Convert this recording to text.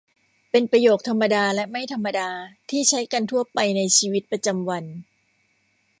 เป็นประโยคธรรมดาและไม่ธรรมดา ที่ใช้กันทั่วไปในชีวิตประจำวัน